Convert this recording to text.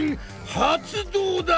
発動だ！